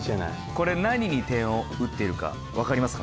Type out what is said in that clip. これ何に点を打っているかわかりますか？